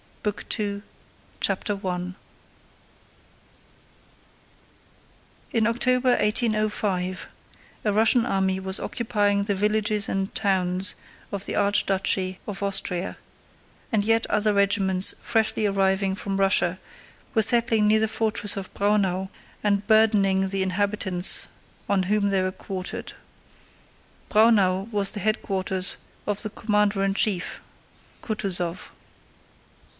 BOOK TWO: 1805 CHAPTER I In October, 1805, a Russian army was occupying the villages and towns of the Archduchy of Austria, and yet other regiments freshly arriving from Russia were settling near the fortress of Braunau and burdening the inhabitants on whom they were quartered. Braunau was the headquarters of the commander in chief, Kutúzov.